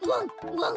ワン。